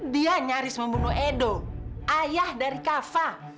dia nyaris membunuh edo ayah dari kava